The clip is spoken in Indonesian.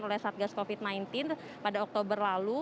oleh satgas covid sembilan belas pada oktober lalu